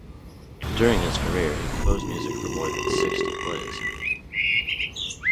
During his career he composed music for more than sixty plays.